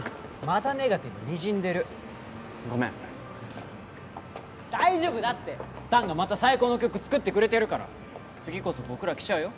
またネガティブにじんでるごめん大丈夫だって弾がまた最高の曲作ってくれてるから次こそ僕ら来ちゃうよ？